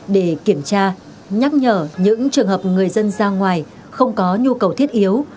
để kiểm tra nhắc nhở những trường hợp người dân ra ngoài không có nhu cầu thiết yếu